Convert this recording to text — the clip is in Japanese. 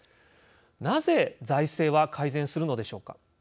なぜ財政は改善するのでしょうか。